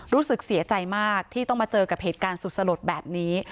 รู้สึกเสียใจมากที่ต้องมาเจอกับเหตุการณ์สุดสลดแบบนี้